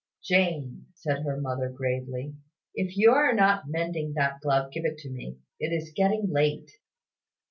"Jane," said her mother, gravely, "if you are not mending that glove, give it to me. It is getting late."